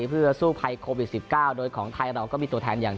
เพื่อสู้ภัยโควิด๑๙โดยของไทยเราก็มีตัวแทนอย่าง